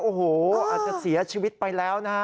โอ้โหอาจจะเสียชีวิตไปแล้วนะฮะ